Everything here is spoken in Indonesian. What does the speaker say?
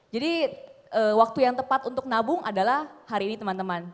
jadi waktu yang tepat untuk nabung adalah hari ini teman teman